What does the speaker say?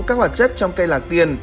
các hoạt chất trong cây lạc tiên